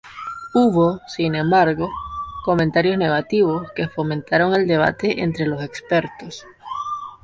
Hubo, sin embargo, comentarios negativos que fomentaron el debate entre los expertos.